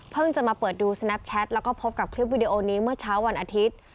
พึ่งจะมาเปิดดูแล้วก็พบกับคลิปนี้เมื่อเช้าวันอาทิตย์